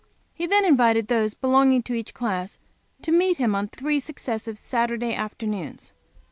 He then invited those belonging to each class to meet him on three successive Saturday afternoons.